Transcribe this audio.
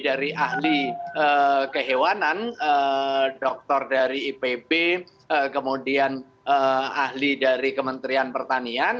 dari ahli kehewanan dokter dari ipb kemudian ahli dari kementerian pertanian